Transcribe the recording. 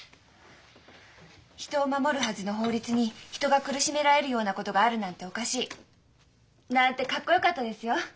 「人を守るはずの法律に人が苦しめられるようなことがあるなんておかしい」なんてかっこよかったですよ。